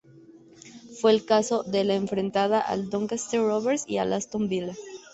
Fue el caso de la que enfrentaba al Doncaster Rovers y al Aston Villa.